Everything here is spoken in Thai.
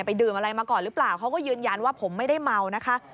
ดื่มอะไรมาก่อนหรือเปล่าเขาก็ยืนยันว่าผมไม่ได้เมานะคะ